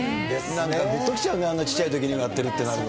なんか、ぐっときちゃうね、あんなちっちゃいときにやってるってなると。